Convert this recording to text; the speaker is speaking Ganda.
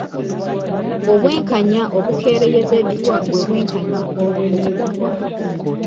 Obwenkanya obukeereyezeddwa bwe bw'enkanya obumiddwa.